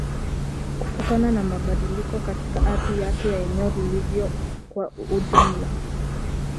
Kutokana na mabadiliko katika ardhi yake na eneo lilivyo kwa ujumla